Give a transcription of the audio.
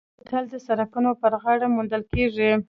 بوتل د سړکونو پر غاړه موندل کېږي.